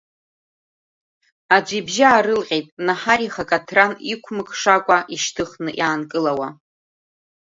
Аӡәы ибжьы аарылҟьеит Наҳар ихы акаҭран иқәмыкшакәа ишьҭыхны иаанкылауа.